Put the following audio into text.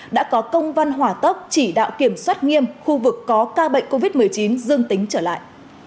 đã có công văn hỏa tốc chỉ đạo kiểm soát nghiêm khu vực có ca bệnh covid một mươi chín dương tính trở lại